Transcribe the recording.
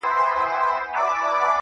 • پوليس کور ته راځي او پلټنه پيلوي ژر,